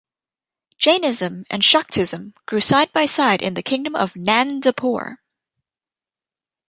Jainism and Shaktism grew side by side in the kingdom of Nandapur.